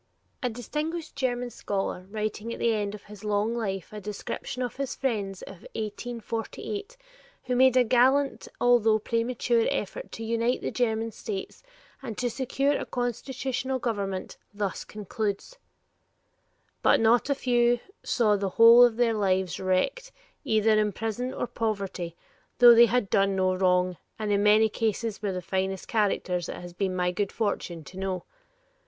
A distinguished German scholar writing at the end of his long life a description of his friends of 1848 who made a gallant although premature effort to unite the German states and to secure a constitutional government, thus concludes: "But not a few saw the whole of their lives wrecked, either in prison or poverty, though they had done no wrong, and in many cases were the finest characters it has been my good fortune to know.